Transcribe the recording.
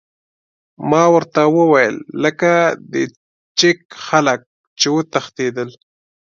ما ورته وویل: لکه د چیک خلک، چې وتښتېدل.